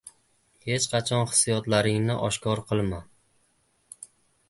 Hech qachon hissiyotlaringni oshkor qilma.